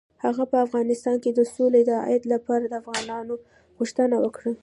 هغه به په افغانستان کې د سولې د اعادې لپاره د افغانانو غوښتنه وکړي.